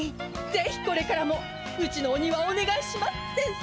ぜひこれからもうちのお庭をおねがいします先生。